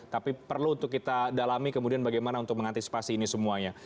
tapi perlu untuk kita dalami kemudian bagaimana untuk mengantisipasi ini semuanya